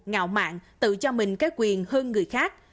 ngạo mạng tự cho mình cái quyền hơn người khác